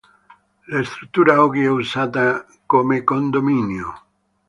La struttura oggi è usata come condominio.